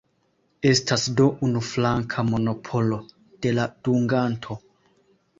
Estas do unuflanka monopolo de la dunganto.